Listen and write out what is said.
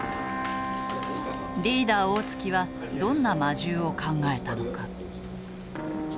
リーダー大槻はどんな魔獣を考えたのか。